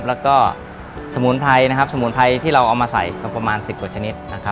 แล้วก็สมุนไพรที่เราเอามาใส่ประมาณ๑๐กว่าชนิด